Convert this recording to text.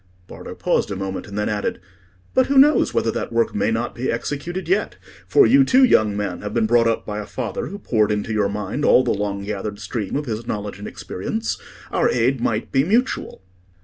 Bardo paused a moment, and then added— "But who knows whether that work may not be executed yet? For you, too, young man, have been brought up by a father who poured into your mind all the long gathered stream of his knowledge and experience. Our aid might be mutual."